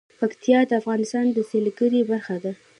پکتیکا د افغانستان د سیلګرۍ برخه ده.